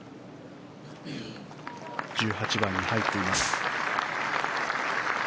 １８番に入っています。